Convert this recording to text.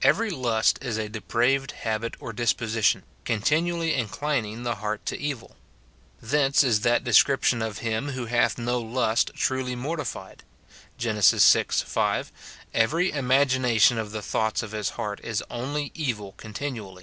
Every lust is a depraved habit or disposition, continually inclining the heart to evil. Thence is that description of him who hath no lust truly mortified. Gen. vi. 5, " Every imagi nation of the thoughts of his heart is only evil continu ally."